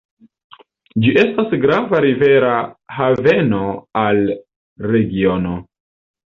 Ĝi estas grava rivera haveno al regiono.